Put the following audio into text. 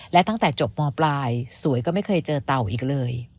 และตั้งแต่จบมปลายสวยก็ไม่เคยเจอเต่าอีกเลย